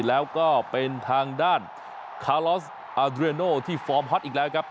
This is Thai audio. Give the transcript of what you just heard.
แล้วก็เป็นทางด้านคาลอสอาเรโนที่ฟอร์มฮอตอีกแล้วครับ